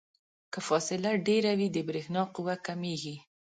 که فاصله ډیره وي د برېښنا قوه کمیږي.